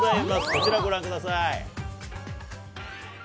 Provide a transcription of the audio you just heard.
こちらご覧ください。